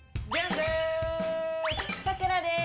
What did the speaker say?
さくらです！